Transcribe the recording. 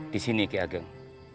di sini ki ageng